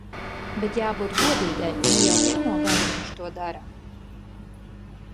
Bet jābūt godīgai, ne jau pirmo gadu viņš to dara.